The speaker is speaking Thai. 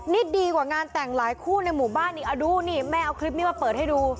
นี่ดีกว่างานแต่งหลายคู่ในหมู่บ้านอีกอ่ะดูนี่แม่เอาคลิปนี้มาเปิดให้ดู